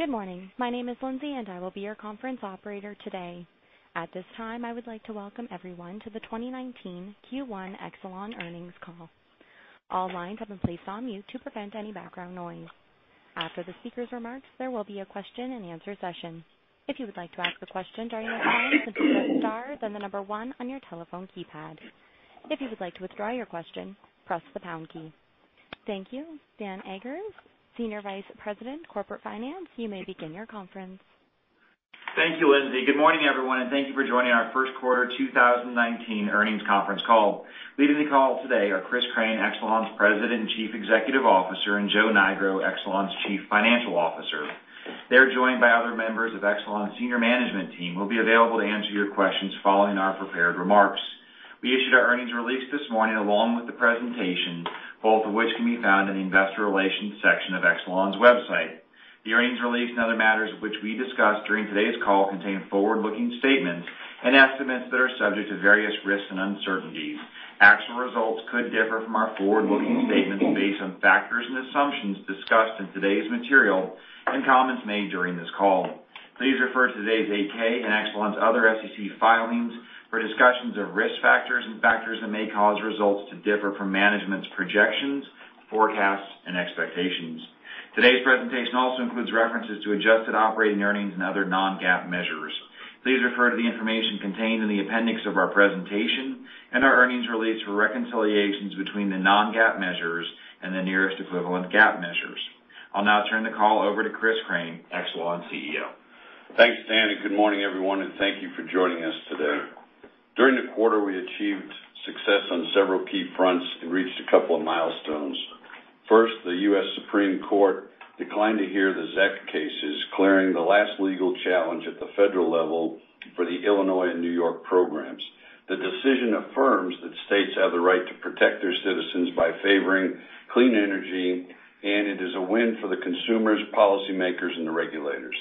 Good morning. My name is Lindsay, I will be your conference operator today. At this time, I would like to welcome everyone to the 2019 Q1 Exelon Earnings call. All lines have been placed on mute to prevent any background noise. After the speakers' remarks, there will be a question and answer session. If you would like to ask a question during that time, please press star, then the number 1 on your telephone keypad. If you would like to withdraw your question, press the pound key. Thank you. Daniel Eggers, Senior Vice President, Corporate Finance, you may begin your conference. Thank you, Lindsay. Good morning, everyone, thank you for joining our first quarter 2019 earnings conference call. Leading the call today are Chris Crane, Exelon's President and Chief Executive Officer, Joe Nigro, Exelon's Chief Financial Officer. They are joined by other members of Exelon's senior management team, who will be available to answer your questions following our prepared remarks. We issued our earnings release this morning, along with the presentation, both of which can be found in the investor relations section of Exelon's website. The earnings release and other matters which we discuss during today's call contain forward-looking statements and estimates that are subject to various risks and uncertainties. Actual results could differ from our forward-looking statements based on factors and assumptions discussed in today's material and comments made during this call. Please refer to today's 8-K Exelon's other SEC filings for discussions of risk factors and factors that may cause results to differ from management's projections, forecasts, and expectations. Today's presentation also includes references to adjusted operating earnings and other non-GAAP measures. Please refer to the information contained in the appendix of our presentation and our earnings release for reconciliations between the non-GAAP measures and the nearest equivalent GAAP measures. I will now turn the call over to Chris Crane, Exelon's CEO. Thanks, Dan, good morning, everyone, thank you for joining us today. During the quarter, we achieved success on several key fronts reached a couple of milestones. First, the U.S. Supreme Court declined to hear the ZEC cases, clearing the last legal challenge at the federal level for the Illinois and New York programs. The decision affirms that states have the right to protect their citizens by favoring clean energy, it is a win for the consumers, policymakers, and the regulators.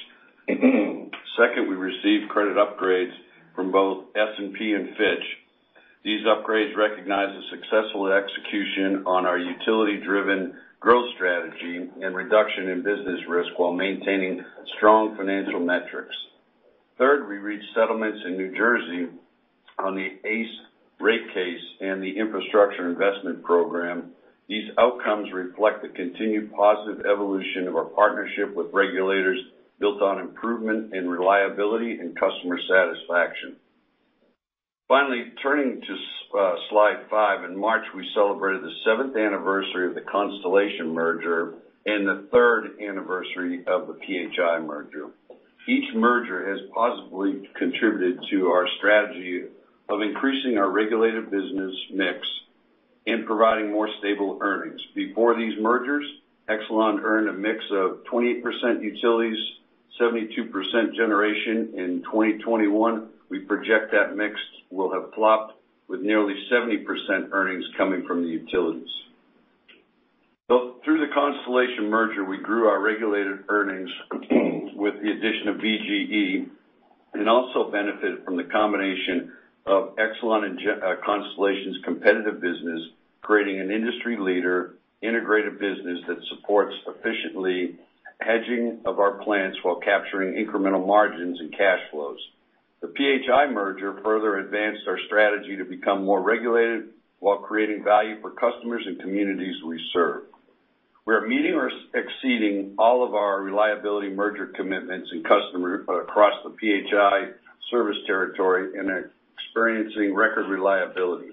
Second, we received credit upgrades from both S&P and Fitch. These upgrades recognize the successful execution on our utility-driven growth strategy and reduction in business risk while maintaining strong financial metrics. Third, we reached settlements in New Jersey on the ACE rate case and the infrastructure investment program. These outcomes reflect the continued positive evolution of our partnership with regulators, built on improvement in reliability and customer satisfaction. Finally, turning to slide five. In March, we celebrated the seventh anniversary of the Constellation merger and the third anniversary of the PHI merger. Each merger has positively contributed to our strategy of increasing our regulated business mix and providing more stable earnings. Before these mergers, Exelon earned a mix of 20% utilities, 72% generation. In 2021, we project that mix will have flopped with nearly 70% earnings coming from the utilities. Through the Constellation merger, we grew our regulated earnings with the addition of BGE and also benefited from the combination of Exelon and Constellation's competitive business, creating an industry leader integrated business that supports efficiently hedging of our plants while capturing incremental margins and cash flows. The PHI merger further advanced our strategy to become more regulated while creating value for customers and communities we serve. We are meeting or exceeding all of our reliability merger commitments and customers across the PHI service territory are experiencing record reliability.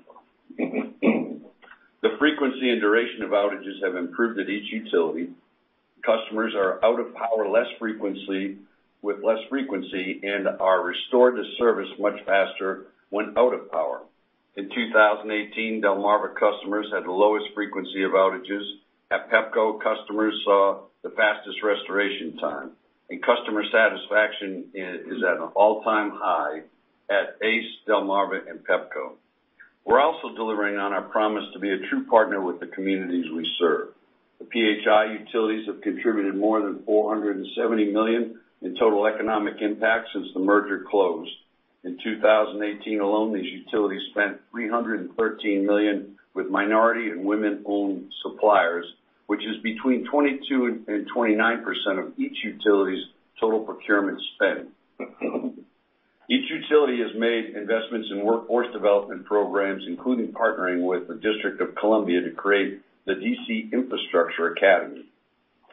The frequency and duration of outages have improved at each utility. Customers are out of power with less frequency and are restored to service much faster when out of power. In 2018, Delmarva customers had the lowest frequency of outages. At Pepco, customers saw the fastest restoration time. And customer satisfaction is at an all-time high at ACE, Delmarva, and Pepco. We are also delivering on our promise to be a true partner with the communities we serve. The PHI utilities have contributed more than $470 million in total economic impact since the merger closed. In 2018 alone, these utilities spent $313 million with minority and women-owned suppliers, which is between 22%-29% of each utility's total procurement spend. Each utility has made investments in workforce development programs, including partnering with the District of Columbia to create the DC Infrastructure Academy.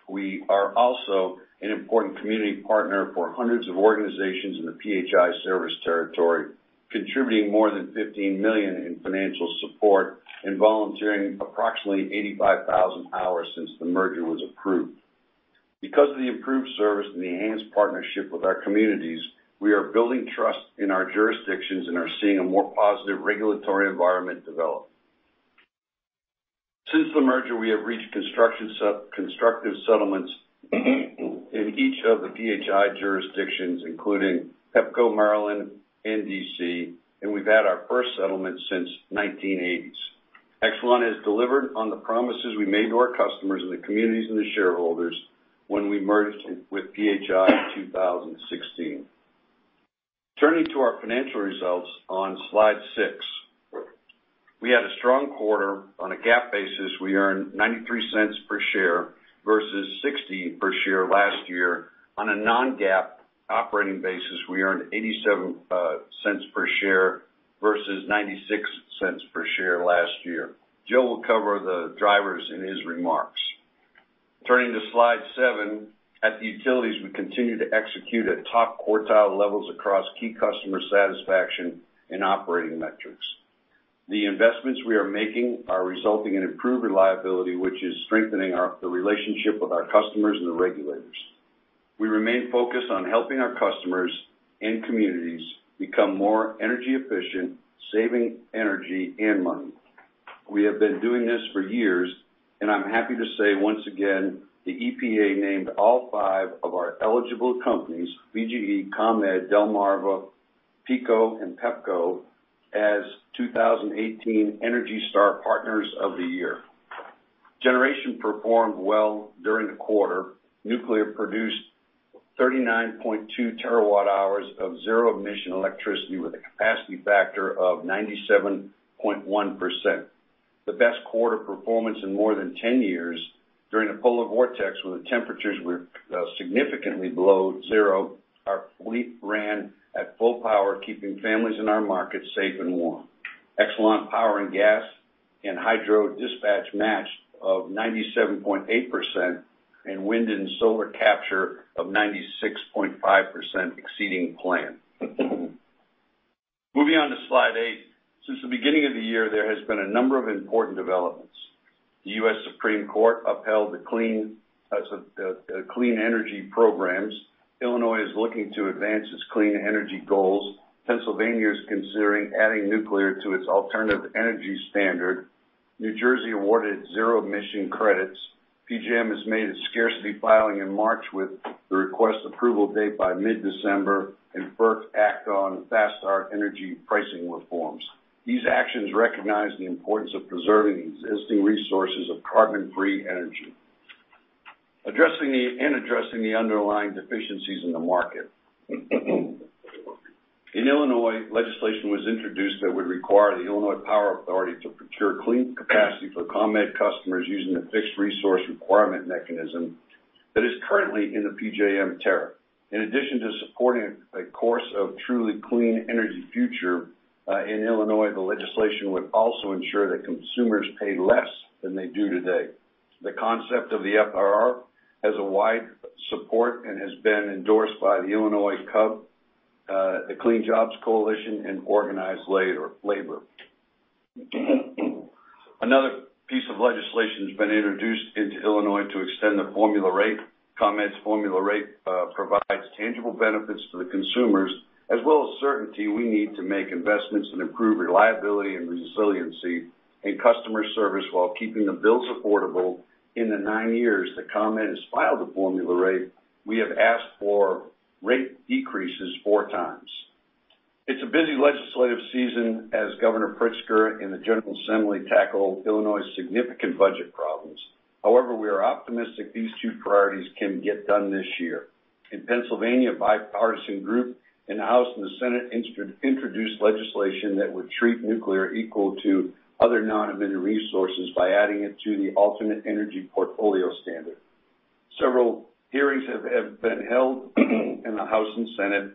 We are also an important community partner for hundreds of organizations in the PHI service territory, contributing more than $15 million in financial support and volunteering approximately 85,000 hours since the merger was approved. Because of the improved service and the enhanced partnership with our communities, we are building trust in our jurisdictions and are seeing a more positive regulatory environment develop. Since the merger, we have reached constructive settlements in each of the PHI jurisdictions, including Pepco, Maryland, and D.C., and we've had our first settlement since the 1980s. Exelon has delivered on the promises we made to our customers in the communities and the shareholders when we merged with PHI in 2016. Turning to our financial results on slide six. We had a strong quarter. On a GAAP basis, we earned $0.93 per share versus $0.60 per share last year. On a non-GAAP operating basis, we earned $0.87 per share versus $0.96 per share last year. Joe will cover the drivers in his remarks. Turning to slide seven. At the utilities, we continue to execute at top quartile levels across key customer satisfaction and operating metrics. The investments we are making are resulting in improved reliability, which is strengthening the relationship with our customers and the regulators. We remain focused on helping our customers and communities become more energy efficient, saving energy and money. We have been doing this for years. I'm happy to say, once again, the EPA named all five of our eligible companies, BGE, ComEd, Delmarva, PECO, and Pepco, as 2018 ENERGY STAR Partners of the Year. Generation performed well during the quarter. Nuclear produced 39.2 terawatt-hours of zero-emission electricity with a capacity factor of 97.1%, the best quarter performance in more than 10 years. During the polar vortex, when the temperatures were significantly below zero, our fleet ran at full power, keeping families in our markets safe and warm. Exelon power and gas and hydro dispatch matched of 97.8% and wind and solar capture of 96.5%, exceeding plan. Moving on to slide eight. Since the beginning of the year, there has been a number of important developments. The U.S. Supreme Court upheld the clean energy programs. Illinois is looking to advance its clean energy goals. Pennsylvania is considering adding nuclear to its alternative energy standard. New Jersey awarded zero emission credits. PJM has made its scarcity filing in March with the request approval date by mid-December. FERC act on fast start energy pricing reforms. These actions recognize the importance of preserving the existing resources of carbon-free energy and addressing the underlying deficiencies in the market. In Illinois, legislation was introduced that would require the Illinois Power Agency to procure clean capacity for ComEd customers using a fixed resource requirement mechanism that is currently in the PJM tariff. In addition to supporting a course of truly clean energy future, in Illinois, the legislation would also ensure that consumers pay less than they do today. The concept of the FRR has a wide support and has been endorsed by the Illinois CUB, the Clean Jobs Coalition, and organized labor. Another piece of legislation has been introduced into Illinois to extend the formula rate. ComEd's formula rate provides tangible benefits to the consumers as well as certainty we need to make investments and improve reliability and resiliency in customer service while keeping the bills affordable. In the nine years that ComEd has filed the formula rate, we have asked for rate decreases four times. It's a busy legislative season as Governor Pritzker and the General Assembly tackle Illinois' significant budget problems. However, we are optimistic these two priorities can get done this year. In Pennsylvania, a bipartisan group in the House and the Senate introduced legislation that would treat nuclear equal to other non-emitting resources by adding it to the alternate energy portfolio standard. Several hearings have been held in the House and Senate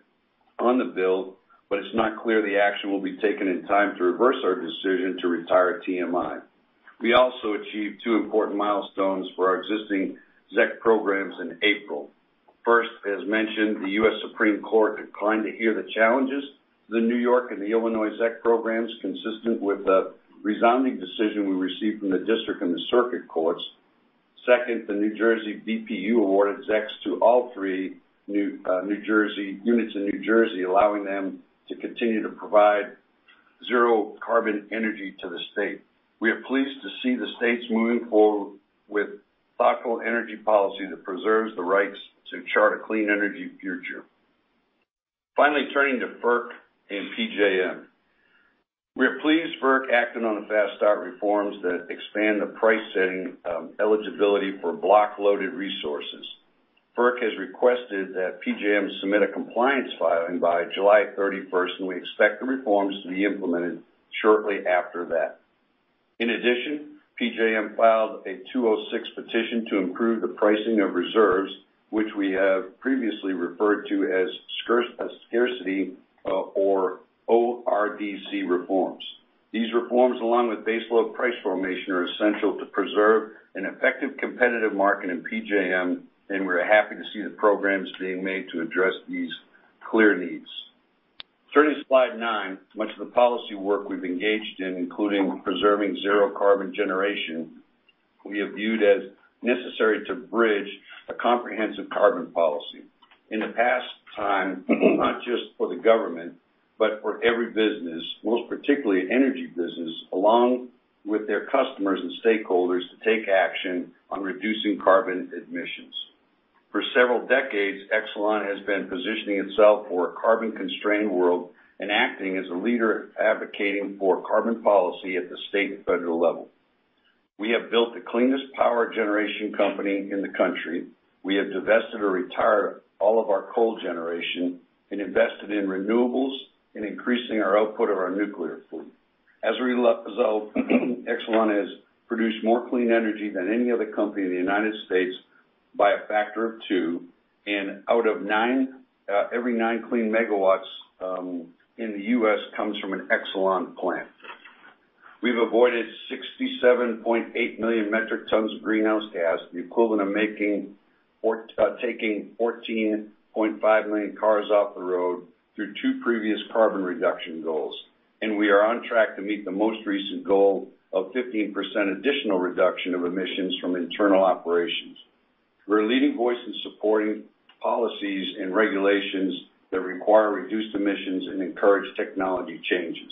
on the bill. It's not clear the action will be taken in time to reverse our decision to retire TMI. We also achieved two important milestones for our existing ZEC programs in April. First, as mentioned, the U.S. Supreme Court declined to hear the challenges the New York and the Illinois ZEC programs consistent with the resounding decision we received from the district and the circuit courts. Second, the New Jersey BPU awarded ZECs to all three units in New Jersey, allowing them to continue to provide zero carbon energy to the state. We are pleased to see the states moving forward with thoughtful energy policy that preserves the rights to chart a clean energy future. Turning to FERC and PJM. We are pleased FERC acted on the fast start reforms that expand the price setting eligibility for block-loaded resources. FERC has requested that PJM submit a compliance filing by July 31st, and we expect the reforms to be implemented shortly after that. In addition, PJM filed a 206 petition to improve the pricing of reserves, which we have previously referred to as scarcity or ORDC reforms. These reforms, along with baseload price formation, are essential to preserve an effective competitive market in PJM. We're happy to see the programs being made to address these clear needs. Turning to slide nine. Much of the policy work we've engaged in, including preserving zero carbon generation, we have viewed as necessary to bridge a comprehensive carbon policy. In the past time, not just for the government, but for every business, most particularly energy business, along with their customers and stakeholders, to take action on reducing carbon emissions. For several decades, Exelon has been positioning itself for a carbon-constrained world and acting as a leader advocating for carbon policy at the state and federal level. We have built the cleanest power generation company in the country. We have divested or retired all of our coal generation and invested in renewables and increasing our output of our nuclear fleet. As a result, Exelon has produced more clean energy than any other company in the U.S. by a factor of two. Every nine clean megawatts in the U.S. comes from an Exelon plant. We've avoided 67.8 million metric tons of greenhouse gas, the equivalent of taking 14.5 million cars off the road through two previous carbon reduction goals. We are on track to meet the most recent goal of 15% additional reduction of emissions from internal operations. We're a leading voice in supporting policies and regulations that require reduced emissions and encourage technology changes.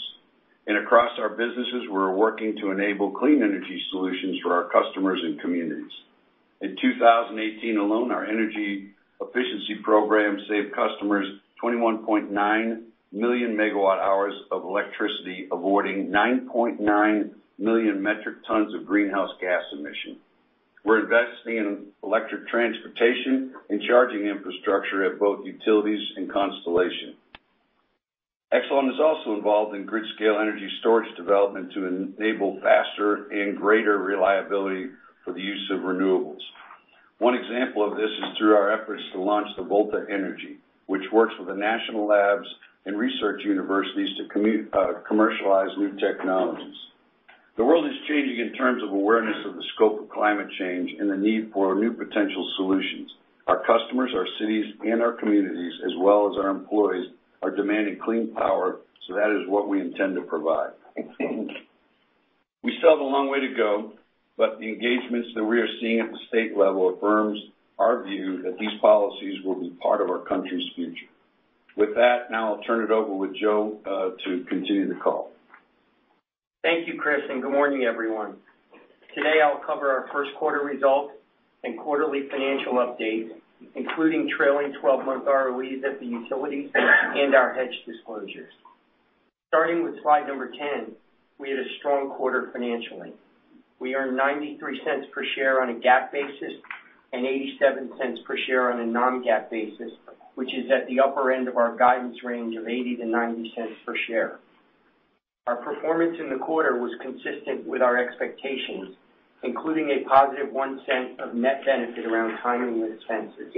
Across our businesses, we're working to enable clean energy solutions for our customers and communities. In 2018 alone, our energy efficiency program saved customers 21.9 million megawatt hours of electricity, avoiding 9.9 million metric tons of greenhouse gas emission. We're investing in electric transportation and charging infrastructure at both utilities and Constellation. Exelon is also involved in grid-scale energy storage development to enable faster and greater reliability for the use of renewables. One example of this is through our efforts to launch the Volta Energy, which works with the national labs and research universities to commercialize new technologies. The world is changing in terms of awareness of the scope of climate change and the need for new potential solutions. Our customers, our cities, and our communities, as well as our employees, are demanding clean power. That is what we intend to provide. We still have a long way to go, but the engagements that we are seeing at the state level affirms our view that these policies will be part of our country's future. With that, now I'll turn it over with Joe to continue the call. Thank you, Chris, and good morning, everyone. Today, I will cover our first quarter results and quarterly financial update, including trailing 12-month ROEs at the utilities and our hedge disclosures. Starting with slide 10, we had a strong quarter financially. We earned $0.93 per share on a GAAP basis and $0.87 per share on a non-GAAP basis, which is at the upper end of our guidance range of $0.80-$0.90 per share. Our performance in the quarter was consistent with our expectations, including a positive $0.01 of net benefit around timing and expenses.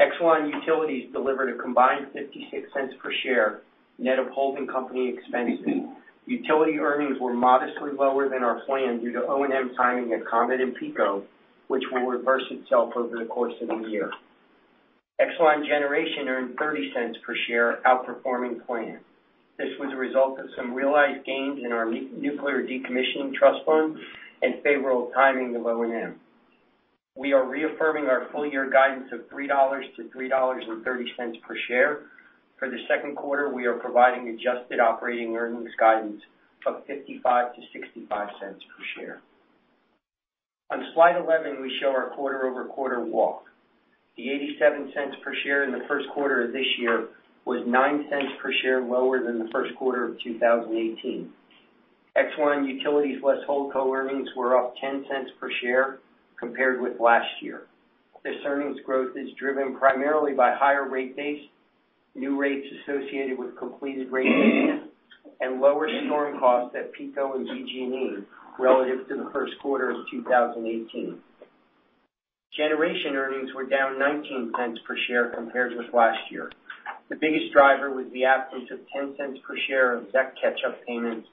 Exelon Utilities delivered a combined $0.56 per share, net of holding company expenses. Utility earnings were modestly lower than our plan due to O&M timing at ComEd and PECO, which will reverse itself over the course of the year. Exelon Generation earned $0.30 per share, outperforming plan. This was a result of some realized gains in our Nuclear Decommissioning Trust fund and favorable timing of O&M. We are reaffirming our full-year guidance of $3.00-$3.30 per share. For the second quarter, we are providing adjusted operating earnings guidance of $0.55-$0.65 per share. On slide 11, we show our quarter-over-quarter walk. The $0.87 per share in the first quarter of this year was $0.09 per share lower than the first quarter of 2018. Exelon Utilities plus holdco earnings were up $0.10 per share compared with last year. This earnings growth is driven primarily by higher rate base, new rates associated with completed rate cases, and lower storm costs at PECO and BGE relative to the first quarter of 2018. Generation earnings were down $0.19 per share compared with last year. The biggest driver was the absence of $0.10 per share of ZEC catch-up payments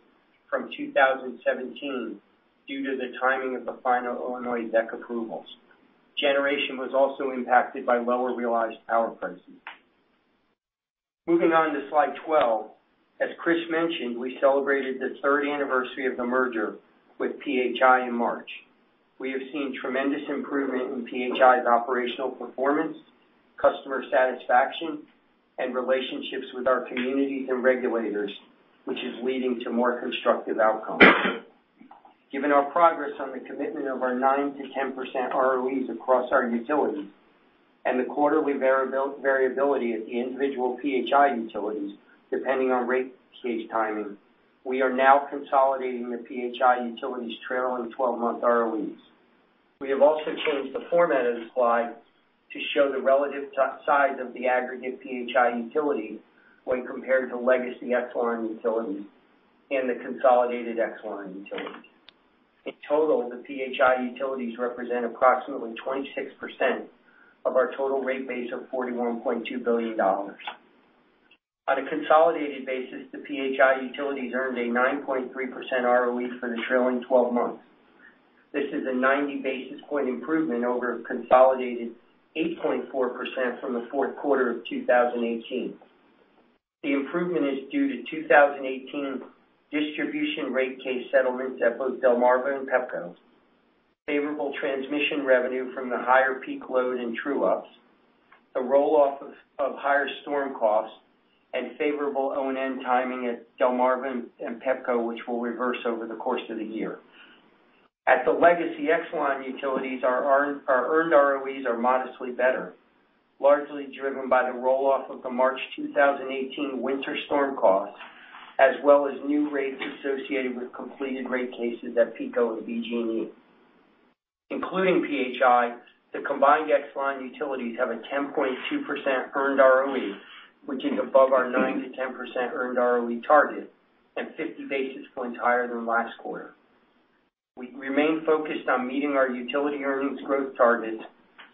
from 2017 due to the timing of the final Illinois ZEC approvals. Generation was also impacted by lower realized power prices. Moving on to slide 12. As Chris mentioned, we celebrated the third anniversary of the merger with PHI in March. We have seen tremendous improvement in PHI's operational performance, customer satisfaction, and relationships with our communities and regulators, which is leading to more constructive outcomes. Given our progress on the commitment of our 9%-10% ROEs across our utilities and the quarterly variability at the individual PHI utilities, depending on rate case timing, we are now consolidating the PHI utilities trailing 12-month ROEs. We have also changed the format of the slide to show the relative size of the aggregate PHI utility when compared to legacy Exelon Utilities and the consolidated Exelon Utilities. In total, the PHI utilities represent approximately 26% of our total rate base of $41.2 billion. On a consolidated basis, the PHI utilities earned a 9.3% ROE for the trailing 12 months. This is a 90-basis-point improvement over a consolidated 8.4% from the fourth quarter of 2018. The improvement is due to 2018 distribution rate case settlements at both Delmarva and Pepco, favorable transmission revenue from the higher peak load in true-ups, the roll-off of higher storm costs, and favorable O&M timing at Delmarva and Pepco, which will reverse over the course of the year. At the legacy Exelon Utilities, our earned ROEs are modestly better. Largely driven by the roll-off of the March 2018 winter storm costs, as well as new rates associated with completed rate cases at PECO and BGE. Including PHI, the combined Exelon utilities have a 10.2% earned ROE, which is above our 9%-10% earned ROE target and 50 basis points higher than last quarter. We remain focused on meeting our utility earnings growth targets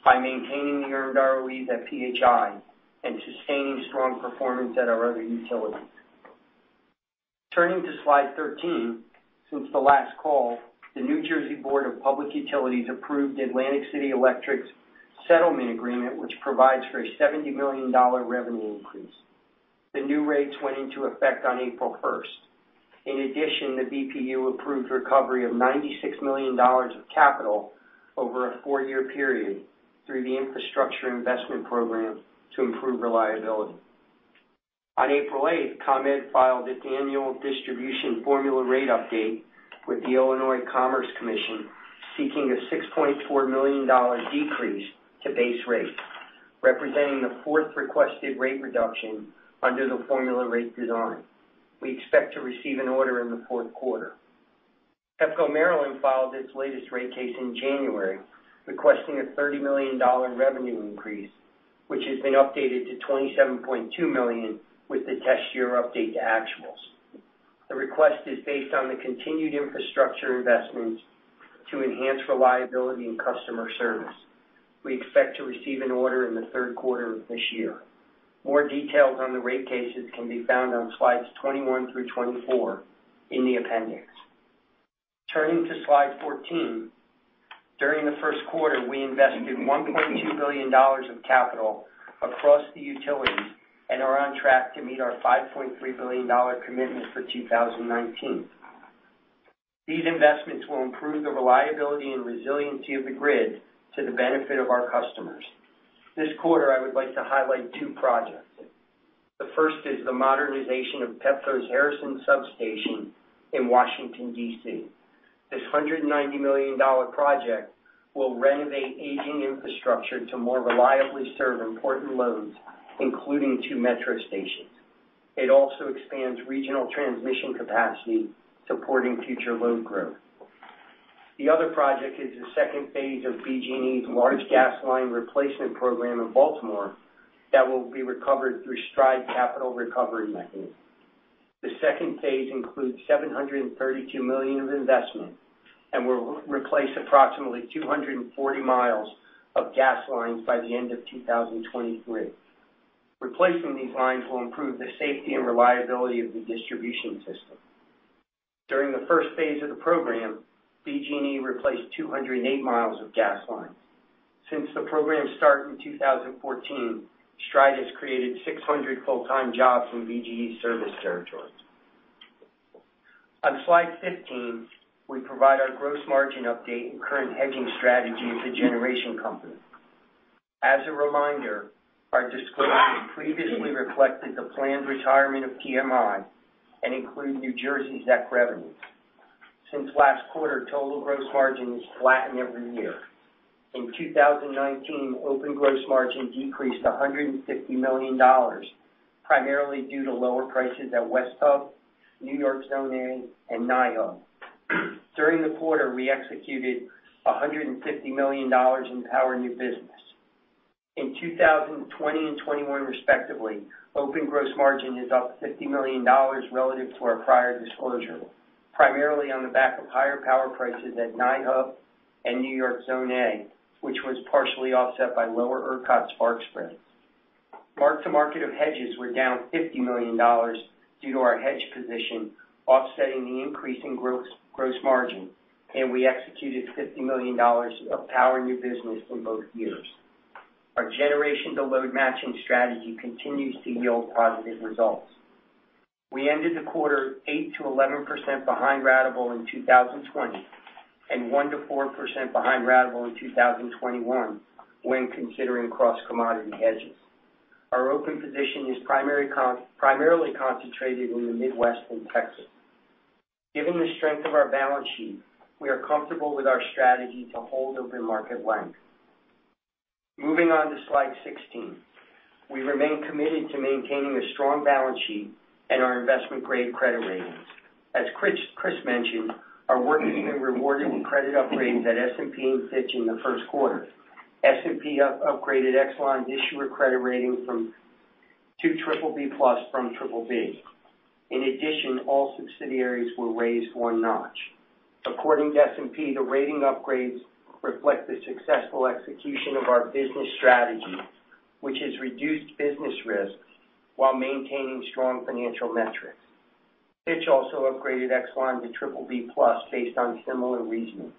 by maintaining the earned ROEs at PHI and sustaining strong performance at our other utilities. Turning to slide 13. Since the last call, the New Jersey Board of Public Utilities approved Atlantic City Electric's settlement agreement, which provides for a $70 million revenue increase. The new rates went into effect on April 1st. In addition, the BPU approved recovery of $96 million of capital over a four-year period through the infrastructure investment program to improve reliability. On April 8th, ComEd filed its annual distribution formula rate update with the Illinois Commerce Commission, seeking a $6.4 million decrease to base rate, representing the fourth requested rate reduction under the formula rate design. We expect to receive an order in the fourth quarter. Pepco Maryland filed its latest rate case in January, requesting a $30 million revenue increase, which has been updated to $27.2 million with the test year update to actuals. The request is based on the continued infrastructure investments to enhance reliability and customer service. We expect to receive an order in the third quarter of this year. More details on the rate cases can be found on slides 21 through 24 in the appendix. Turning to slide 14. During the first quarter, we invested $1.2 billion of capital across the utilities and are on track to meet our $5.3 billion commitment for 2019. These investments will improve the reliability and resiliency of the grid to the benefit of our customers. This quarter, I would like to highlight two projects. The first is the modernization of Pepco's Harrison substation in Washington, D.C. This $190 million project will renovate aging infrastructure to more reliably serve important loads, including two Metro stations. It also expands regional transmission capacity supporting future load growth. The other project is the 2nd phase of BGE's large gas line replacement program in Baltimore that will be recovered through STRIDE capital recovery mechanism. The 2nd phase includes $732 million of investment and will replace approximately 240 miles of gas lines by the end of 2023. Replacing these lines will improve the safety and reliability of the distribution system. During the 1st phase of the program, BGE replaced 208 miles of gas lines. Since the program started in 2014, STRIDE has created 600 full-time jobs in BGE service territories. On slide 15, we provide our gross margin update and current hedging strategy to generation companies. As a reminder, our disclosure previously reflected the planned retirement of TMI and include New Jersey ZEC revenues. Since last quarter, total gross margin is flattened every year. In 2019, open gross margin decreased $150 million, primarily due to lower prices at West Hub, New York Zone A, and NYHU. During the quarter, we executed $150 million in power new business. In 2020 and 2021 respectively, open gross margin is up $50 million relative to our prior disclosure, primarily on the back of higher power prices at NYHU and New York Zone A, which was partially offset by lower ERCOT spark spreads. Mark-to-market of hedges were down $50 million due to our hedge position offsetting the increase in gross margin, and we executed $50 million of power new business in both years. Our generation to load matching strategy continues to yield positive results. We ended the quarter 8%-11% behind ratable in 2020 and 1%-4% behind ratable in 2021 when considering cross-commodity hedges. Our open position is primarily concentrated in the Midwest and Texas. Given the strength of our balance sheet, we are comfortable with our strategy to hold open market length. Moving on to slide 16. We remain committed to maintaining a strong balance sheet and our investment-grade credit ratings. As Chris mentioned, our work has been rewarded with credit upgrades at S&P and Fitch in the first quarter. S&P upgraded Exelon's issuer credit rating to triple B plus from triple B. In addition, all subsidiaries were raised one notch. According to S&P, the rating upgrades reflect the successful execution of our business strategy, which has reduced business risk while maintaining strong financial metrics. Fitch also upgraded Exelon to triple B plus based on similar reasoning.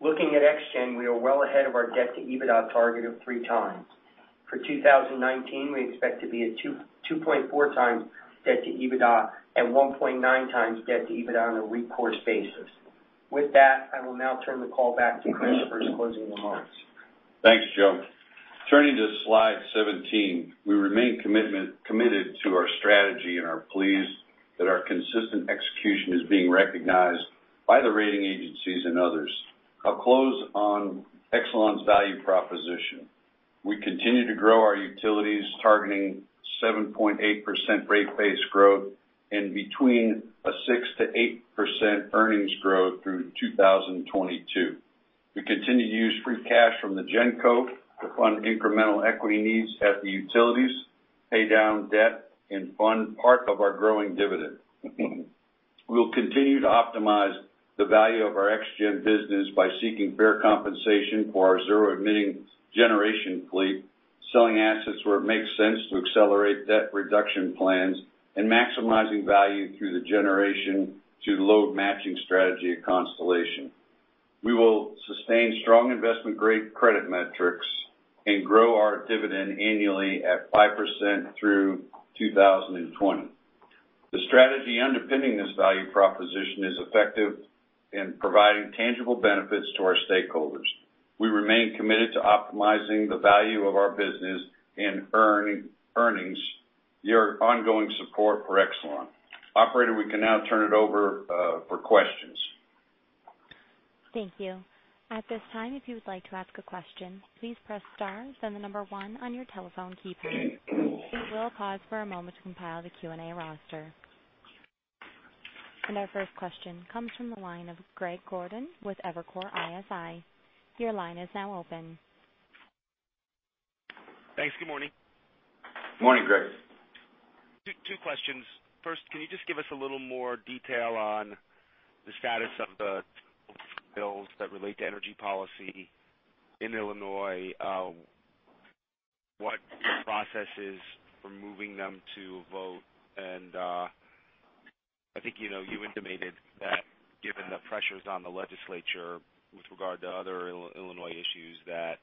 Looking at ExGen, we are well ahead of our debt to EBITDA target of three times. For 2019, we expect to be at 2.4 times debt to EBITDA and 1.9 times debt to EBITDA on a recourse basis. With that, I will now turn the call back to Chris for his closing remarks. Thanks, Joe. Turning to slide 17. We remain committed to our strategy and are pleased that our consistent execution is being recognized by the rating agencies and others. I'll close on Exelon's value proposition. We continue to grow our utilities, targeting 7.8% rate base growth and between a 6%-8% earnings growth through 2022. We continue to use free cash from the genco to fund incremental equity needs at the utilities, pay down debt, and fund part of our growing dividend. We will continue to optimize the value of our ExGen business by seeking fair compensation for our zero-emitting generation fleet, selling assets where it makes sense to accelerate debt reduction plans, and maximizing value through the generation to the load matching strategy of Constellation. We will sustain strong investment-grade credit metrics and grow our dividend annually at 5% through 2020. The strategy underpinning this value proposition is effective in providing tangible benefits to our stakeholders. We remain committed to optimizing the value of our business and earning your ongoing support for Exelon. Operator, we can now turn it over for questions. Thank you. At this time, if you would like to ask a question, please press star, then number 1 on your telephone keypad. We will pause for a moment to compile the Q&A roster. Our first question comes from the line of Greg Gordon with Evercore ISI. Your line is now open. Thanks. Good morning. Morning, Greg. Two questions. First, can you just give us a little more detail on the status of the bills that relate to energy policy in Illinois? What the process is for moving them to vote, and I think you indicated that given the pressures on the legislature with regard to other Illinois issues, that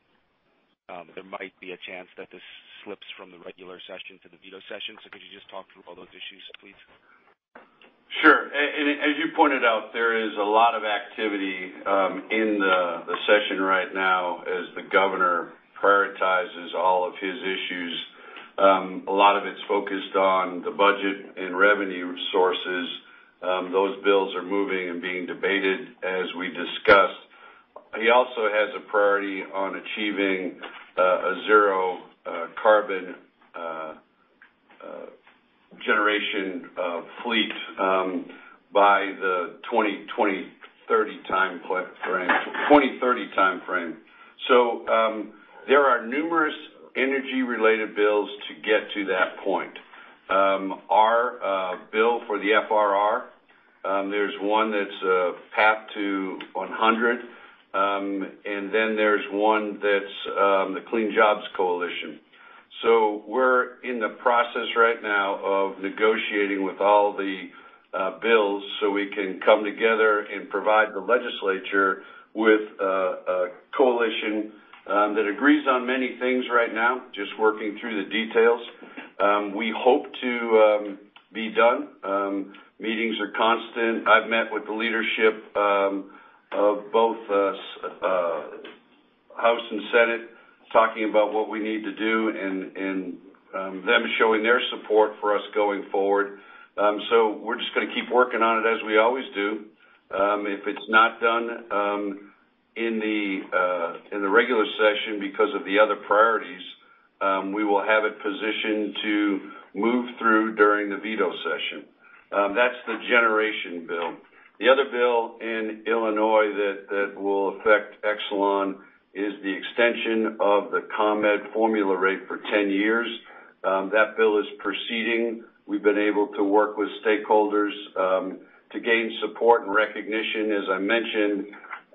there might be a chance that this slips from the regular session to the veto session. Could you just talk through all those issues, please? Sure. As you pointed out, there is a lot of activity in the session right now as the governor prioritizes all of his issues. A lot of it's focused on the budget and revenue sources. Those bills are moving and being debated as we discuss. He also has a priority on achieving a zero carbon generation fleet by the 2030 timeframe. There are numerous energy-related bills to get to that point. Our bill for the FRR, there's one that's Path to 100, and then there's one that's the Clean Jobs Coalition. We're in the process right now of negotiating with all the bills so we can come together and provide the legislature with a coalition that agrees on many things right now, just working through the details. We hope to be done. Meetings are constant. I've met with the leadership of both House and Senate, talking about what we need to do and them showing their support for us going forward. We're just going to keep working on it as we always do. If it's not done in the regular session because of the other priorities, we will have it positioned to move through during the veto session. That's the generation bill. The other bill in Illinois that will affect Exelon is the extension of the ComEd formula rate for 10 years. That bill is proceeding. We've been able to work with stakeholders to gain support and recognition. As I mentioned,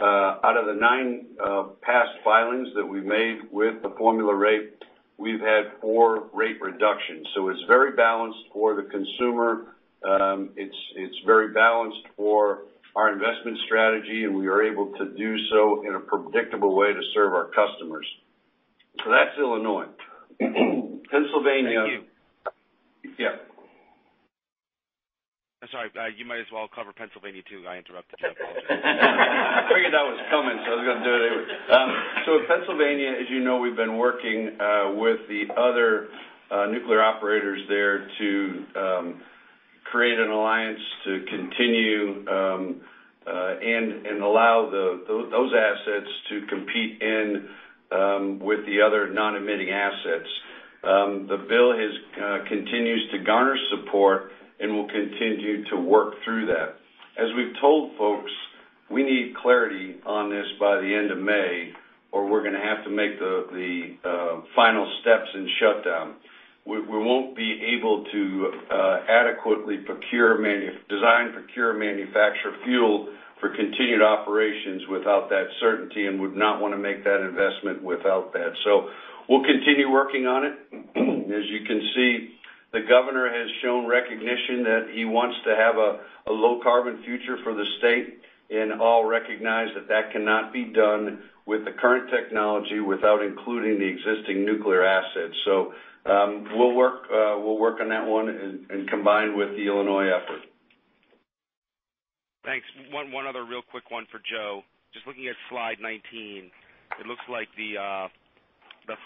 out of the nine past filings that we've made with the formula rate, we've had four rate reductions. It's very balanced for the consumer. It's very balanced for our investment strategy, and we are able to do so in a predictable way to serve our customers. That's Illinois. Pennsylvania- Thank you. Yeah. I'm sorry. You might as well cover Pennsylvania, too. I interrupted you. I apologize. I figured that was coming, so I was going to do it anyway. Pennsylvania, as you know, we've been working with the other nuclear operators there to create an alliance to continue and allow those assets to compete in with the other non-emitting assets. The bill continues to garner support, and we'll continue to work through that. As we've told folks, we need clarity on this by the end of May, or we're going to have to make the final steps and shut down. We won't be able to adequately design, procure, manufacture fuel for continued operations without that certainty and would not want to make that investment without that. We'll continue working on it. As you can see, the governor has shown recognition that he wants to have a low carbon future for the state, and all recognize that that cannot be done with the current technology without including the existing nuclear assets. We'll work on that one and combine with the Illinois efforts. Thanks. One other real quick one for Joe. Just looking at slide 19, it looks like the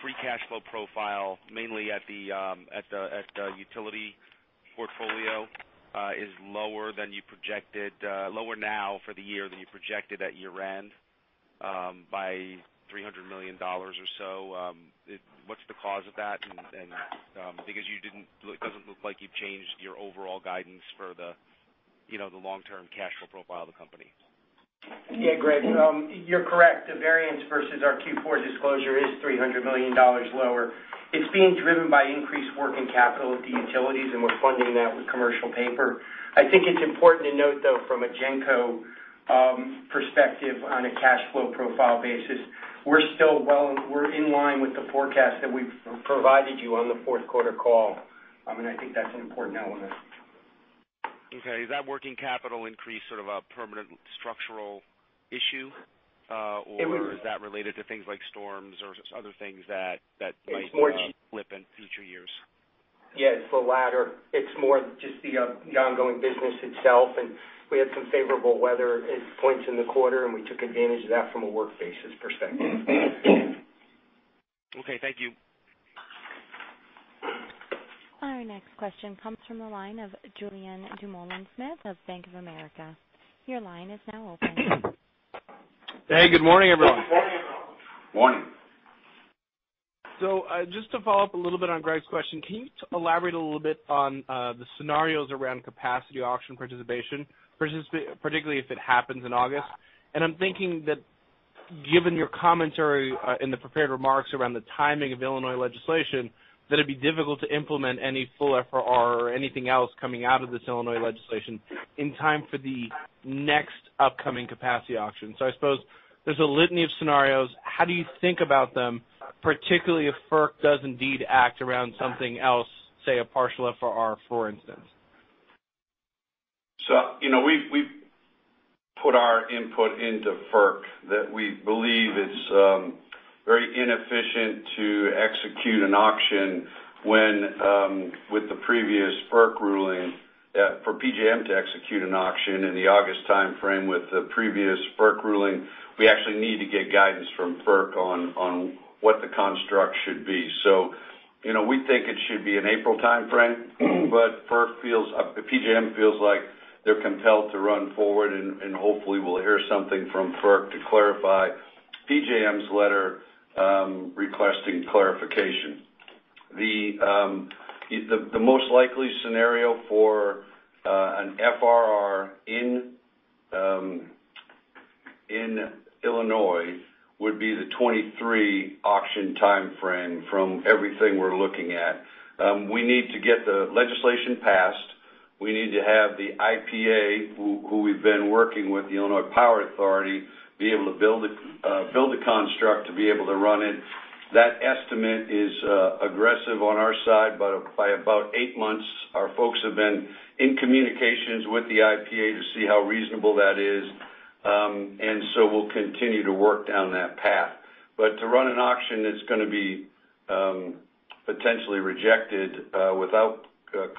free cash flow profile, mainly at the utility portfolio, is lower now for the year than you projected at year-end, by $300 million or so. What's the cause of that? Because it doesn't look like you've changed your overall guidance for the long-term cash flow profile of the company. Yeah, Greg, you're correct. The variance versus our Q4 disclosure is $300 million lower. It's being driven by increased working capital at the utilities, and we're funding that with commercial paper. I think it's important to note, though, from a Gen Co perspective on a cash flow profile basis, we're in line with the forecast that we provided you on the fourth quarter call. I think that's an important element. Okay. Is that working capital increase sort of a permanent structural issue? Or is that related to things like storms or other things that might- It's more- -flip in future years? Yeah, it's the latter. It's more just the ongoing business itself. We had some favorable weather at points in the quarter, and we took advantage of that from a work basis perspective. Okay, thank you. Our next question comes from the line of Julien Dumoulin-Smith of Bank of America. Your line is now open. Hey, good morning, everyone. Morning. Just to follow up a little bit on Greg's question, can you elaborate a little bit on the scenarios around capacity auction participation, particularly if it happens in August? I'm thinking that given your commentary in the prepared remarks around the timing of Illinois legislation, that it'd be difficult to implement any full FRR or anything else coming out of this Illinois legislation in time for the next upcoming capacity auction. I suppose there's a litany of scenarios. How do you think about them, particularly if FERC does indeed act around something else, say, a partial FRR, for instance? We put our input into FERC that we believe it's very inefficient to execute an auction when, with the previous FERC ruling, for PJM to execute an auction in the August timeframe with the previous FERC ruling. We actually need to get guidance from FERC on what the construct should be. We think it should be an April timeframe, PJM feels like they're compelled to run forward, and hopefully we'll hear something from FERC to clarify PJM's letter requesting clarification. The most likely scenario for an FRR in Illinois would be the 2023 auction timeframe, from everything we're looking at. We need to get the legislation passed. We need to have the IPA, who we've been working with, the Illinois Power Agency, be able to build a construct to be able to run it. That estimate is aggressive on our side, by about eight months, our folks have been in communications with the IPA to see how reasonable that is. We'll continue to work down that path. To run an auction that's going to be potentially rejected without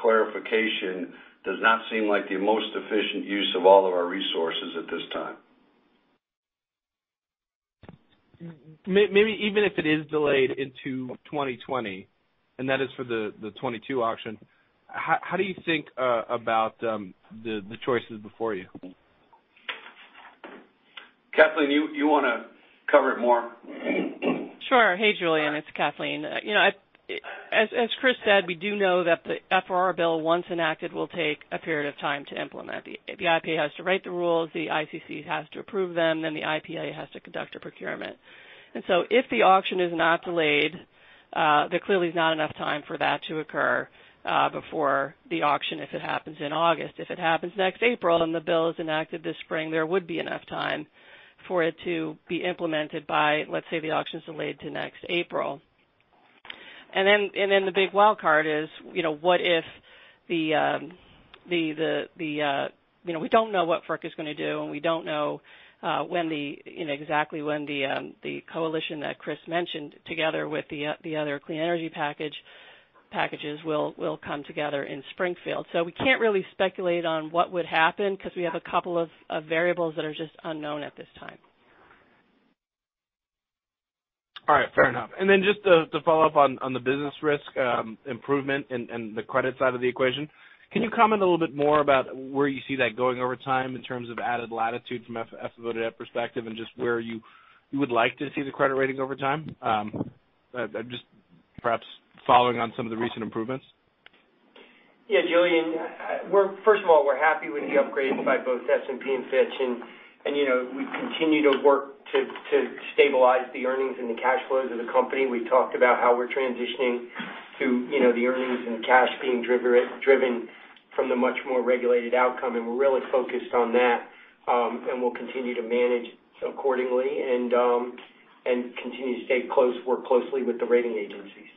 clarification does not seem like the most efficient use of all of our resources at this time. Maybe even if it is delayed into 2020, and that is for the 2022 auction, how do you think about the choices before you? Kathleen, you want to cover it more? Sure. Hey, Julien, it's Kathleen. As Chris said, we do know that the FRR bill, once enacted, will take a period of time to implement. The IPA has to write the rules, the ICC has to approve them, then the IPA has to conduct a procurement. If the auction is not delayed, there clearly is not enough time for that to occur before the auction if it happens in August. If it happens next April and the bill is enacted this spring, there would be enough time for it to be implemented by, let's say, the auction's delayed to next April. The big wild card is, we don't know what FERC is going to do, and we don't know exactly when the coalition that Chris mentioned, together with the other clean energy packages will come together in Springfield. We can't really speculate on what would happen because we have a couple of variables that are just unknown at this time. All right, fair enough. Just to follow up on the business risk improvement and the credit side of the equation, can you comment a little bit more about where you see that going over time in terms of added latitude from Fitch-rated perspective and just where you would like to see the credit rating over time? Just perhaps following on some of the recent improvements. Yeah, Julien. First of all, we're happy with the upgrades by both S&P and Fitch. We continue to work to stabilize the earnings and the cash flows of the company. We talked about how we're transitioning to the earnings and cash being driven from the much more regulated outcome, and we're really focused on that. We'll continue to manage accordingly and continue to work closely with the rating agencies.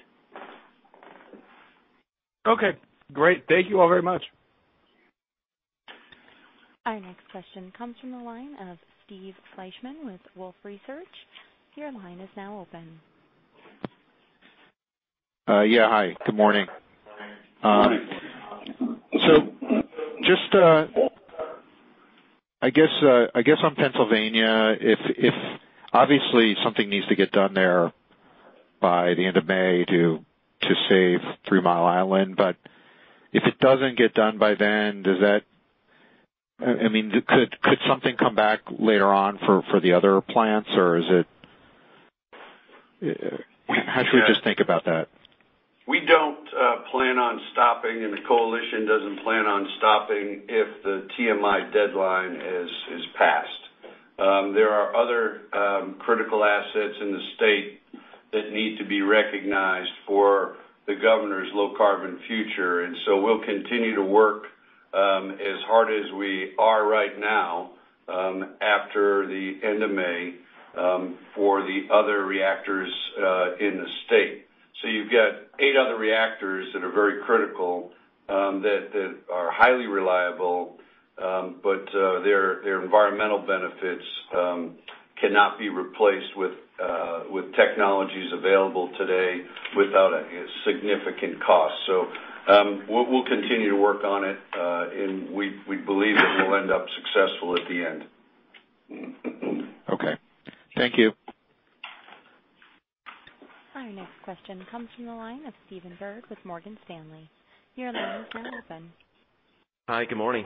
Okay, great. Thank you all very much. Our next question comes from the line of Steve Fleishman with Wolfe Research. Your line is now open. Yeah, hi, good morning. Good morning. Just, I guess, on Pennsylvania, obviously something needs to get done there by the end of May to save Three Mile Island. If it doesn't get done by then, could something come back later on for the other plants, or how should we just think about that? We don't plan on stopping, and the coalition doesn't plan on stopping if the TMI deadline is passed. There are other critical assets in the state that need to be recognized for the governor's low carbon future. We'll continue to work as hard as we are right now, after the end of May, for the other reactors in the state. You've got eight other reactors that are very critical, that are highly reliable, but their environmental benefits cannot be replaced with technologies available today without a significant cost. We'll continue to work on it. We believe that we'll end up successful at the end. Okay. Thank you. Our next question comes from the line of Stephen Byrd with Morgan Stanley. Your line is now open. Hi, good morning.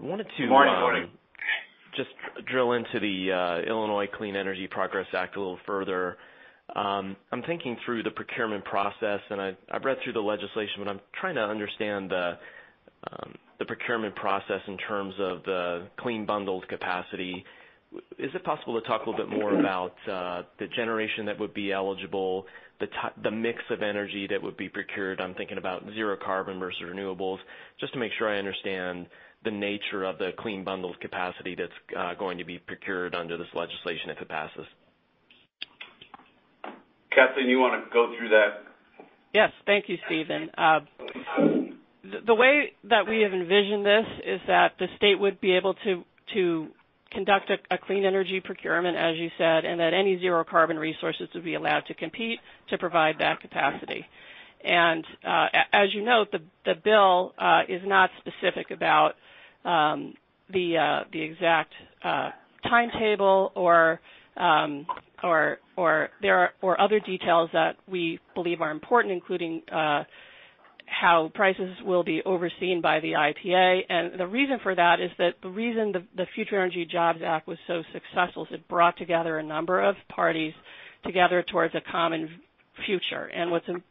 Good morning. wanted to just drill into the Illinois Clean Energy Progress Act a little further. I'm thinking through the procurement process, and I've read through the legislation, but I'm trying to understand the procurement process in terms of the clean bundled capacity. Is it possible to talk a little bit more about the generation that would be eligible, the mix of energy that would be procured? I'm thinking about zero carbon versus renewables, just to make sure I understand the nature of the clean bundled capacity that's going to be procured under this legislation if it passes. Kathleen, you want to go through that? Yes. Thank you, Stephen. The way that we have envisioned this is that the state would be able to conduct a clean energy procurement, as you said, and that any zero carbon resources would be allowed to compete to provide that capacity. As you note, the bill is not specific about the exact timetable or other details that we believe are important, including how prices will be overseen by the IPA. The reason for that is that the reason the Future Energy Jobs Act was so successful is it brought together a number of parties together towards a common future.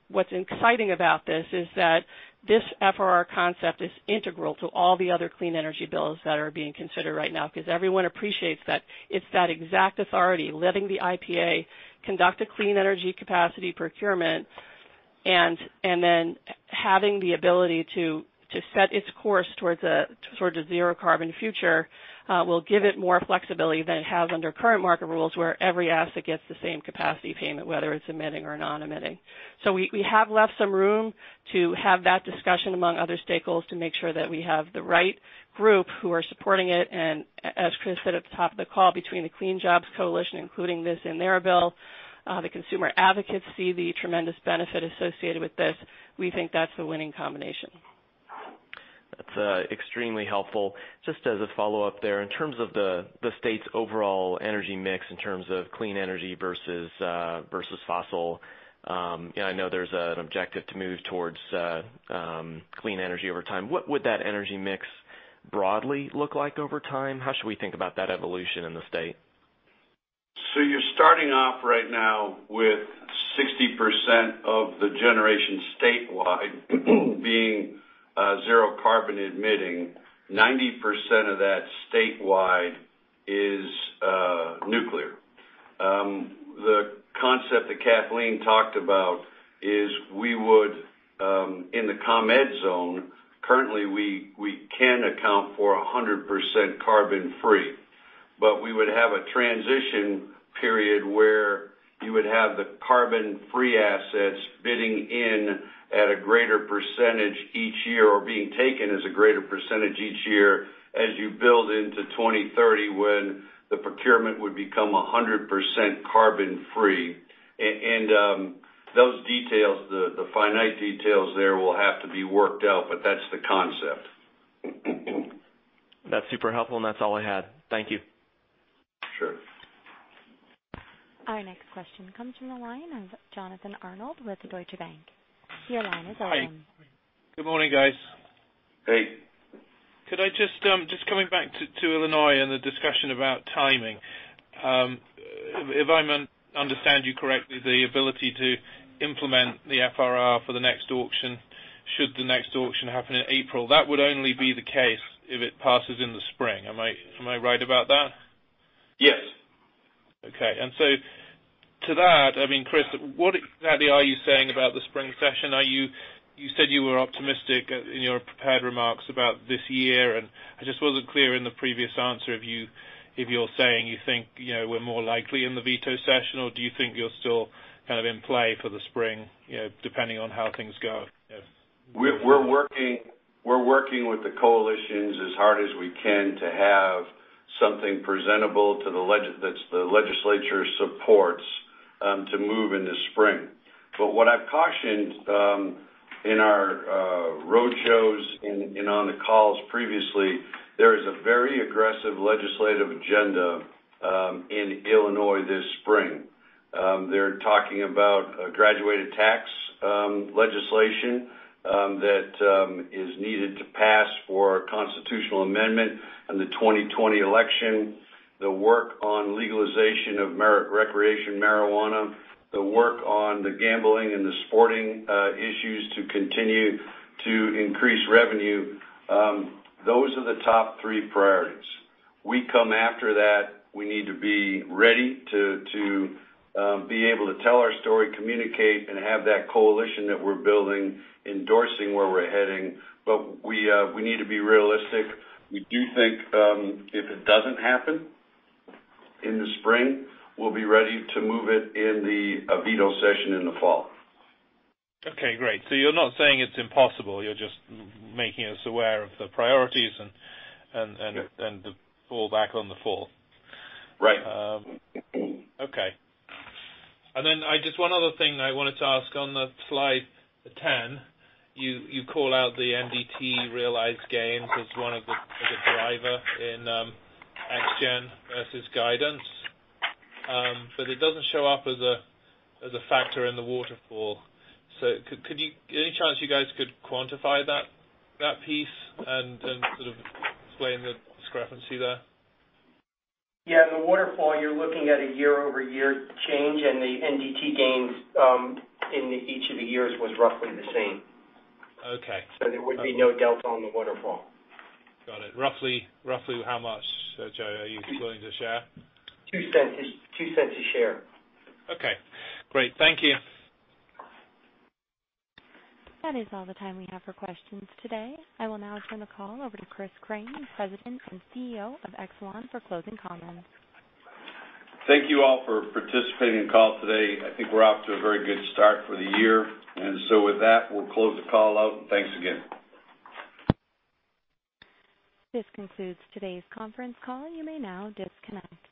What's exciting about this is that this FRR concept is integral to all the other clean energy bills that are being considered right now, because everyone appreciates that it's that exact authority, letting the IPA conduct a clean energy capacity procurement, and then having the ability to set its course towards a zero carbon future, will give it more flexibility than it has under current market rules, where every asset gets the same capacity payment, whether it's emitting or non-emitting. We have left some room to have that discussion among other stakeholders to make sure that we have the right group who are supporting it. As Chris said at the top of the call, between the Clean Jobs Coalition, including this in their bill, the consumer advocates see the tremendous benefit associated with this. We think that's a winning combination. That's extremely helpful. Just as a follow-up there, in terms of the state's overall energy mix in terms of clean energy versus fossil, I know there's an objective to move towards clean energy over time. What would that energy mix broadly look like over time? How should we think about that evolution in the state? You're starting off right now with 60% of the generation statewide being zero-carbon emitting. 90% of that statewide is nuclear. The concept that Kathleen talked about is we would, in the ComEd zone, currently we can account for 100% carbon-free. We would have a transition period where you would have the carbon-free assets bidding in at a greater percentage each year, or being taken as a greater percentage each year, as you build into 2030, when the procurement would become 100% carbon-free. Those details, the finite details there, will have to be worked out, but that's the concept. That's super helpful, and that's all I had. Thank you. Sure. Our next question comes from the line of Jonathan Arnold with Deutsche Bank. Your line is open. Hi. Good morning, guys. Hey. Just coming back to Illinois and the discussion about timing. If I understand you correctly, the ability to implement the FRR for the next auction, should the next auction happen in April, that would only be the case if it passes in the spring. Am I right about that? Yes. Okay. To that, Chris, what exactly are you saying about the spring session? You said you were optimistic in your prepared remarks about this year, and I just wasn't clear in the previous answer if you're saying you think we're more likely in the veto session, or do you think you're still kind of in play for the spring, depending on how things go? We're working with the coalitions as hard as we can to have something presentable that the legislature supports to move in the spring. What I've cautioned in our road shows and on the calls previously, there is a very aggressive legislative agenda in Illinois this spring. They're talking about a graduated tax legislation that is needed to pass for a constitutional amendment in the 2020 election, the work on legalization of recreation marijuana, the work on the gambling and the sporting issues to continue to increase revenue. Those are the top three priorities. We come after that. We need to be ready to be able to tell our story, communicate, and have that coalition that we're building, endorsing where we're heading. We need to be realistic. We do think if it doesn't happen in the spring, we'll be ready to move it in the veto session in the fall. Okay, great. You're not saying it's impossible, you're just making us aware of the priorities and. Sure the fallback on the fall. Right. Okay. Then, just one other thing I wanted to ask on the slide 10, you call out the NDT realized gains as a driver in ExGen versus guidance. It doesn't show up as a factor in the waterfall. Any chance you guys could quantify that piece and sort of explain the discrepancy there? Yeah. In the waterfall, you're looking at a year-over-year change, the NDT gains in each of the years was roughly the same. Okay. There would be no delta on the waterfall. Got it. Roughly how much, Joe, are you willing to share? $0.02 a share. Okay, great. Thank you. That is all the time we have for questions today. I will now turn the call over to Chris Crane, President and CEO of Exelon, for closing comments. Thank you all for participating in the call today. I think we're off to a very good start for the year. With that, we'll close the call out, and thanks again. This concludes today's conference call. You may now disconnect.